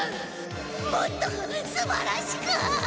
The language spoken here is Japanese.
もっとすばらしく！